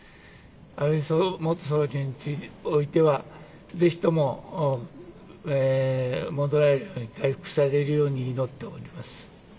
安倍元総理においてはぜひとも戻られる、回復されるように祈っております。